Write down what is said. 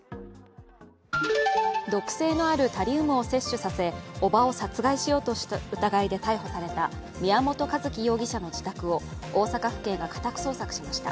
毒性のあるタリウムを摂取させおばを殺害しようとした疑いで逮捕された宮本一希容疑者の自宅を大阪府警が家宅捜索しました。